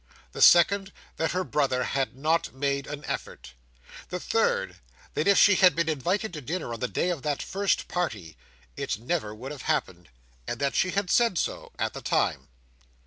The second, that her brother had not made an effort. The third, that if she had been invited to dinner on the day of that first party, it never would have happened; and that she had said so, at the time.